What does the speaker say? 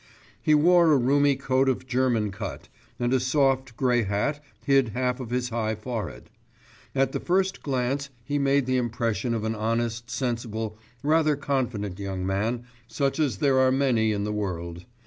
He wore a roomy coat of German cut, and a soft grey hat hid half of his high forehead. At the first glance he made the impression of an honest, sensible, rather self confident young man such as there are many in the world.